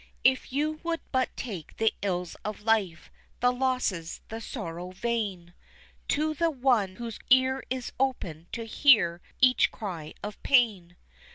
If you would but take the ills of life, the losses, the sorrow vain, To the One whose ear is open to hear each cry of pain!